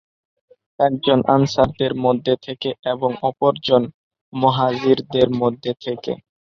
একজন আনসারদের মধ্যে থেকে এবং অপরজন মুহাজির দের মধ্য থেকে।